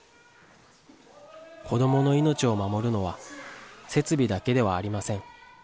子どもの命を守るのは、設備だけではありません。